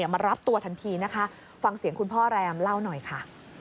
มารับตัวทันทีนะคะฟังเสียงคุณพ่อแรมเล่าหน่อยค่ะ